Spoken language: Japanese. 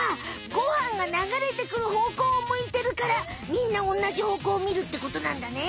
ご飯が流れてくる方向を向いてるからみんなおんなじ方向をみるってことなんだね。